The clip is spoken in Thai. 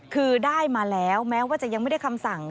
คือได้มาแล้วแม้ว่าจะยังไม่ได้คำสั่ง